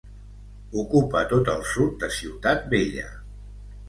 Ocupa tot el sud de Ciutat Vella.